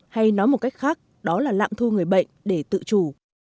hay nói một cách khác đó là lạm thu người bệnh để tự chủ